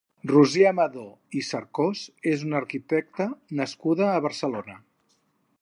Roser Amadó i Cercós és una arquitecta nascuda a Barcelona.